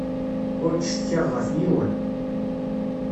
Ur ttcetkiɣ ɣef yiwen.